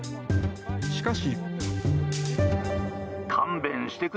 しかし。